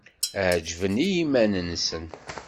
Ɛeǧben i iman-nsen.